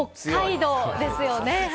北海道ですね。